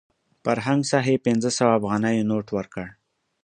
فرهنګ صاحب پنځه سوه افغانیو نوټ ورکړ.